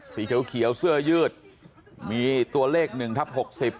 สีเขียวเสื้อยืดมีตัวเลข๑ทัพ๖๐